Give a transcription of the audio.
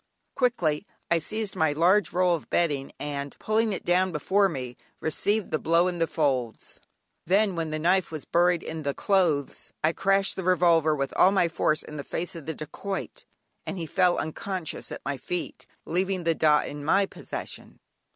Quickly I seized my large roll of bedding, and pulling it down before me received the blow in the folds; then when the knife was buried in the clothes, I crashed the revolver with all my force in the face of the dacoit, and he fell unconscious at my feet, leaving the "dah" in my possession.